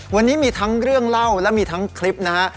วันนี้มีทั้งเรื่องเล่าและมีทั้งคลิปนะฮะ